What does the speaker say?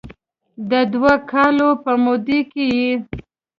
د دوه کالو په موده کې یې